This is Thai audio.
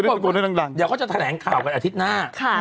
เดี๋ยวเขาจะแถลงข่าวกันอาทิตย์หน้า